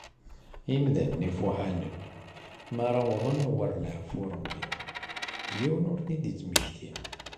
Imdanen ifuḥanen, mi ara awḍen awer leɛfu n Rebbi , yiwen ur ten-id-yettmmekti.